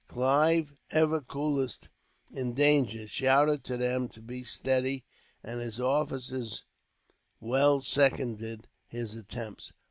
Clive, ever coolest in danger, shouted to them to be steady, and his officers well seconded his attempts.